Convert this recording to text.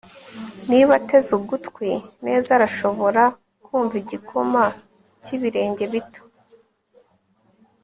Niba ateze ugutwi neza arashobora kumva igikoma cyibirenge bito